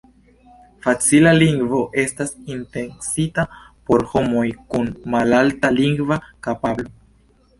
Facila Lingvo estas intencita por homoj kun malalta lingva kapablo.